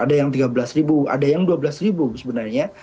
ada yang rp tiga belas ada yang rp dua belas sebenarnya